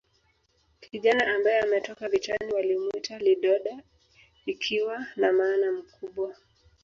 Kijana ambaye ametoka vitani walimwita lidoda ikiwa na maana mkubwa